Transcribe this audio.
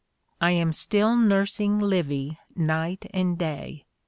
"I am still nursing Livy night and day.